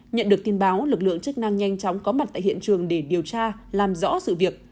nhận được tin báo lực lượng chức năng nhanh chóng có mặt tại hiện trường để điều tra làm rõ sự việc